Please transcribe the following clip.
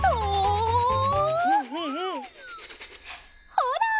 ほら！